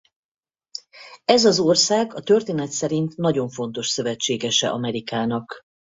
Ez az ország a történet szerint nagyon fontos szövetségese Amerikának.